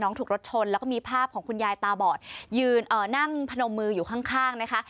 ถูกรถชนแล้วก็มีภาพของคุณยายตาบอดนั่งพนมมืออยู่ข้างนะคะ